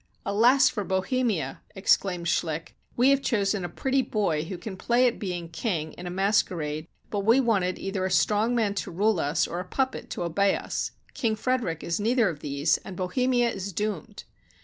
"Alas for Bohemia!" exclaimed Schlick. "We have chosen a pretty boy who can play at being king in a masquerade ; but we wanted either a strong man to rule us, or a puppet to obey us. King Frederick is neither of these, and Bohemia is doomed."